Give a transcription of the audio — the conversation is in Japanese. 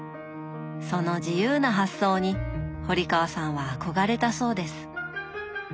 その自由な発想に堀川さんは憧れたそうです